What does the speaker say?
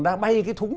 đã bay cái thúng